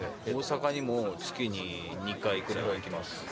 大阪にも月に２回くらいは行きます。